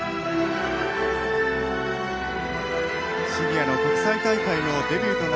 シニアの国際大会のデビューとなります